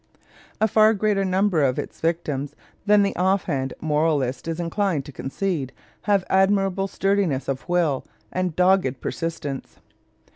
A far greater number of its victims than the offhand moralist is inclined to concede have admirable sturdiness of will and dogged persistence.